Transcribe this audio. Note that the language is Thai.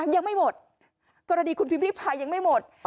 ยังไม่หมดกรณีคุณพิมพิพายยังไม่หมด